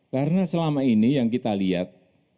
karena selama ini yang kita lihat